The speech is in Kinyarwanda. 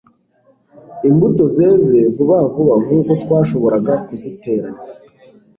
Imbuto zeze vuba vuba nkuko twashoboraga kuziteranya